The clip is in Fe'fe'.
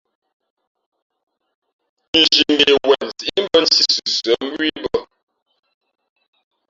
Nzhi mbe wen síʼmbᾱ nthī sʉsʉά mbú ī bᾱ.